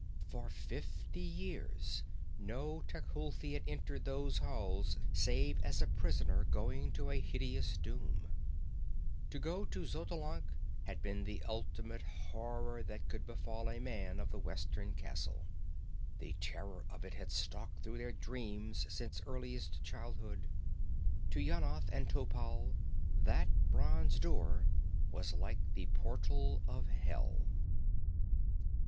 For fifty years no Tecuhltli had entered those halls save as a prisoner going to a hideous doom. To go to Xotalanc had been the ultimate horror that could befall a man of the western castle. The terror of it had stalked through their dreams since earliest childhood. To Yanath and Topal that bronze door was like the portal of hell.